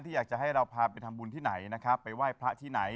อยากจะให้เราพาไปทำบุญที่ไหนนะครับไปไหว้พระที่ไหน